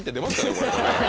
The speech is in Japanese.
これ。